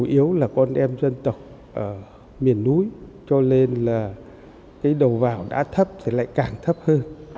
chủ yếu là con em dân tộc ở miền núi cho nên là cái đầu vào đã thấp thì lại càng thấp hơn